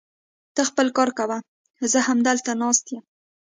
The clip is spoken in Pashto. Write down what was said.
ته خپل کار کوه، زه همدلته ناست يم.